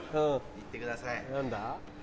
いってください。